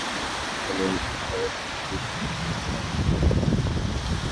শহীদ আফ্রিদিকে সঙ্গে নিয়ে এলে হাততালির আওয়াজটা নিঃসন্দেহে আরও জোরে শোনা যেত।